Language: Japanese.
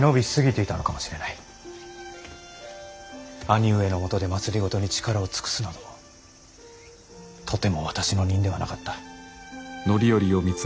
兄上のもとで政に力を尽くすなどとても私の任ではなかった。